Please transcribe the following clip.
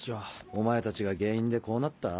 お前たちが原因でこうなった？